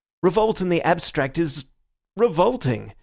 Revolt in the abstract is—revolting.